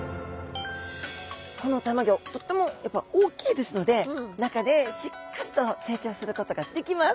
このたまギョとってもやっぱ大きいですので中でしっかりと成長することができます。